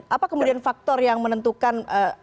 apa kemudian faktor yang menentukan